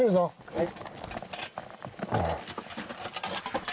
はい。